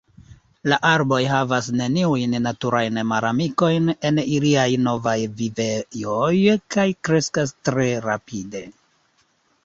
La arboj havas neniujn naturajn malamikojn en iliaj novaj vivejoj kaj kreskas tre rapide.